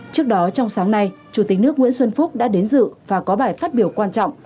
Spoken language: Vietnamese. trước đó trong sáng nay chủ tịch nước nguyễn xuân phúc đã đến dự và có bài phát biểu quan trọng